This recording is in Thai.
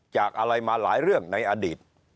จากอะไรมาหลายเรื่องในอดีต